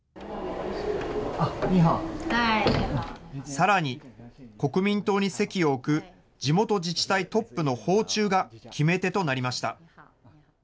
さらに、国民党に籍を置く地元自治体トップの訪中が決め手となりました。